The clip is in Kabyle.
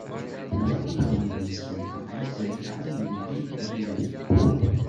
Deg wulawen-nsen teɣli zzerriɛa n yimɣi n tayri.